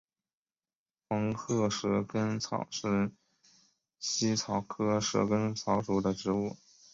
黄褐蛇根草是茜草科蛇根草属的植物。